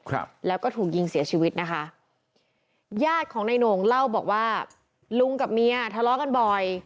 ครับแล้วก็ถูกยิงเสียชีวิตนะคะญาติของนายโหน่งเล่าบอกว่าลุงกับเมียทะเลาะกันบ่อย